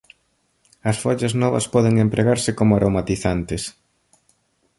As follas novas poden empregarse como aromatizantes.